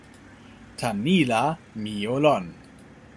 tan ni la, mi o lon.